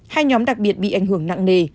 hai nhóm đặc biệt bị ảnh hưởng nặng nề